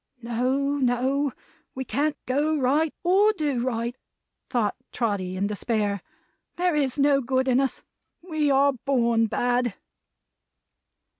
"No, no. We can't go right or do right," thought Trotty in despair. "There is no good in us. We are born bad!"